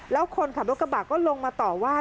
แล้วคนขับรถกระบะก็ลงมาต่อว่า